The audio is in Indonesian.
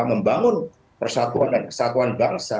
membangun persatuan dan kesatuan bangsa